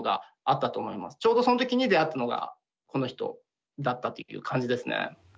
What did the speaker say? ちょうどその時に出会ったのがこの人だったっていう感じですね。